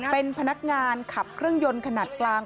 เป็นพนักงานขับเครื่องยนต์ขนาดกลาง